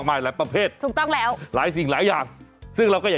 สวัสดีครับคุณชนะสวัสดีค่ะสวัสดีคุณชิสานะฮะ